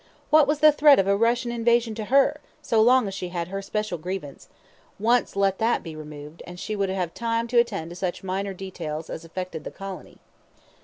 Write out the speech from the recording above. What was the threat of a Russian invasion to her so long as she had her special grievance once let that be removed, and she would have time to attend to such minor details as affected the colony.